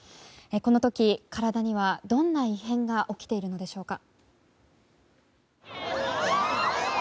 この時、体にはどんな異変が起きているのでしょうか。